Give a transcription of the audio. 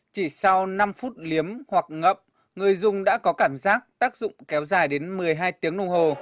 chỉ sau năm phút liếm hoặc ngậm người dùng đã có cảm giác tác dụng kéo dài đến một mươi hai tiếng đồng hồ